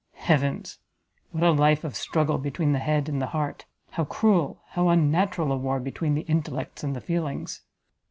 Heavens! what a life of struggle between the head and the heart! how cruel, how unnatural a war between the intellects and the feelings!"